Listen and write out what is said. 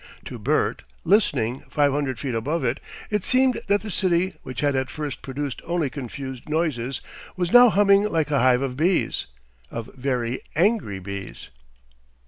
To Bert, listening five hundred feet above, it seemed that the city, which had at first produced only confused noises, was now humming like a hive of bees of very angry bees.